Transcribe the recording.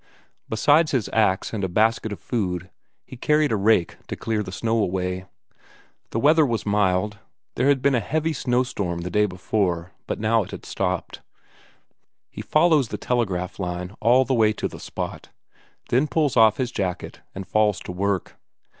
Besides his ax and a basket of food, he carried a rake to clear the snow away. The weather was mild, there had been a heavy snowstorm the day before, but now it had stopped. He follows the telegraph line all the way to the spot, then pulls off his jacket and falls to work.